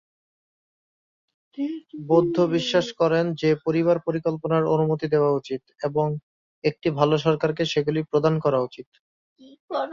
বৌদ্ধ বিশ্বাস করেন যে পরিবার পরিকল্পনার অনুমতি দেওয়া উচিত এবং একটি ভাল সরকারকে সেগুলি প্রদান করা উচিত।